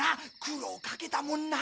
苦労かけたもんな。